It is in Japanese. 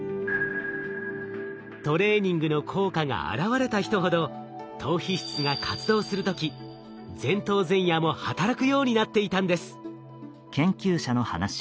トレーニングの効果が現れた人ほど島皮質が活動する時前頭前野も働くようになっていたんです。